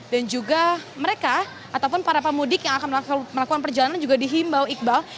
dan juga mereka ataupun para pemudik yang akan melakukan perjalanan juga di himbau iqbal